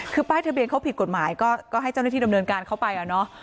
คือป้ายทะเบียนเขาผิดกฎหมายก็ให้เจ้าหน้าที่ดำเนินการเข้าไปอะเนาะ